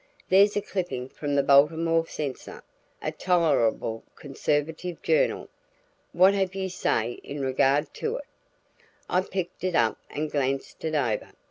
"There's a clipping from the 'Baltimore Censor' a tolerably conservative journal. What have you to say in regard to it?" I picked it up and glanced it over.